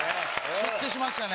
結成しましたね。